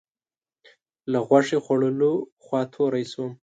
له غوښې خوړلو خوا توری شوم.